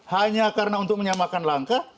hanya karena untuk menyamakan langkah